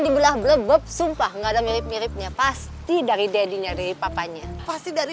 dibelah blebeb sumpah nggak ada mirip miripnya pasti dari dadinya dari papanya pasti dari